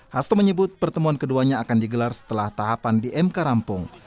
hasto menyebut pertemuan keduanya akan digelar setelah tahapan di mk rampung